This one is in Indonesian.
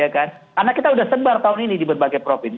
karena kita udah sebar tahun ini di berbagai provinsi